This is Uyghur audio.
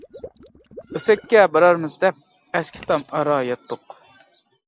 ئۆسەككە بارارمىز دەپ، ئەسكى تام ئارا ياتتۇق.